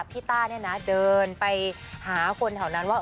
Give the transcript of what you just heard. ต้าเนี่ยนะเดินไปหาคนแถวนั้นว่า